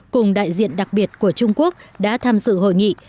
cùng đại diện đặc biệt của trung quốc đã tham dự hội nghị